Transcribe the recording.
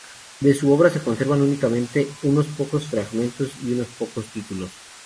De su obra se conservan únicamente unos pocos fragmentos y unos pocos títulos.